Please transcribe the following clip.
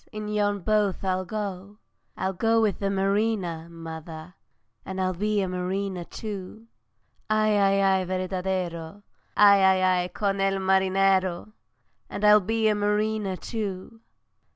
in yon boat I'll go; I'll go with the mariner, mother, And I'll be a mariner too. Ay, ay, ay, verdadero, Ay, ay, con el marinero! And I'll be a mariner too!